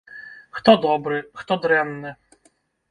Хто добры, хто дрэнны?